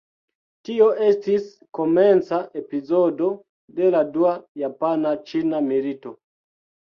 Tio estis komenca epizodo de la Dua japana-ĉina milito.